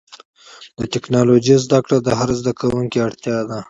د ټکنالوجۍ زدهکړه د هر زدهکوونکي اړتیا ده.